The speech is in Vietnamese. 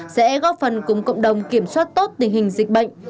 sẽ góp phần cùng cộng đồng kiểm soát tốt tình hình dịch bệnh